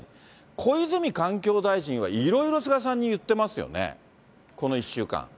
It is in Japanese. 小泉環境大臣はいろいろ菅さんに言ってますよね、この１週間。